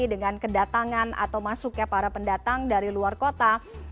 dengan kedatangan atau masuknya para pendatang dari luar kota